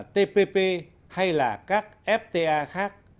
tpp hay là các fta khác